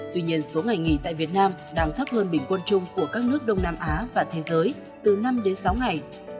tuy nhiên số ngày nghỉ tại việt nam đang thấp hơn bình quân chung của các nước đông nam á và thế giới từ năm đến sáu ngày